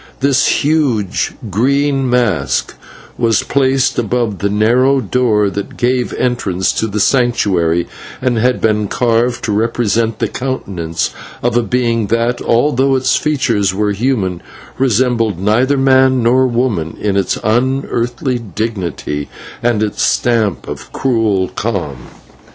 This huge green mask was placed above the narrow door that gave entrance to the Sanctuary, and had been carved to represent the countenance of a being that, although its features were human, resembled neither man nor woman in its unearthly dignity and its stamp of cruel calm.